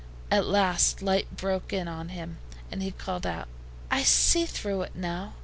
At last light broke in on him, and he called out: "I see through it now!